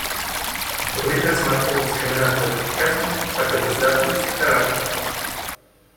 Документ рассматривает дискриминацию как в частном, так и государственном секторах.